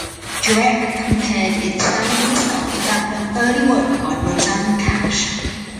Jurek compared its sound and style to that of early work by Rosanne Cash.